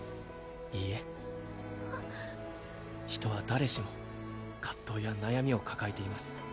いいえ人は誰しも葛藤や悩みを抱えています